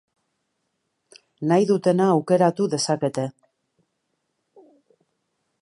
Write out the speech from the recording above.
Nahi dutena aukeratu dezakete.